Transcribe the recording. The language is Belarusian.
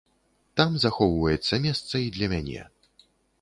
Там захоўваецца месца і для мяне.